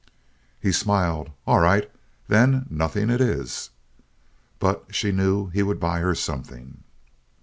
He smiled. "All right. Then nothing it is." But she knew he would buy her something.